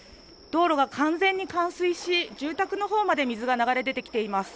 道路が完全に冠水し住宅の方まで水が流れ出てきています。